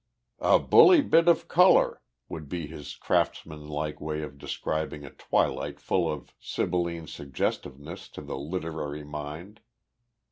"A bully bit of colour," would be his craftsmanlike way of describing a twilight full of sibylline suggestiveness to the literary mind.